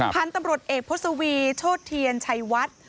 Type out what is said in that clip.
พันธุ์ตำรวจเอกพศวีโชธเทียนชัยวัด